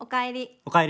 おかえり。